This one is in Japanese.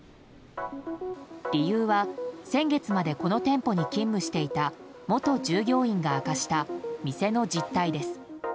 理由は、先月までこの店舗に勤務していた元従業員が明かした店の実態です。